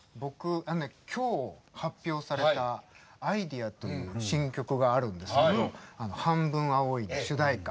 今日発表された「アイデア」という新曲があるんですけど「半分、青い。」の主題歌。